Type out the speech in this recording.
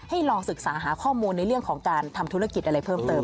ลองศึกษาหาข้อมูลในเรื่องของการทำธุรกิจอะไรเพิ่มเติม